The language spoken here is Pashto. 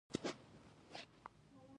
د پکتیکا په ارګون کې د څه شي نښې دي؟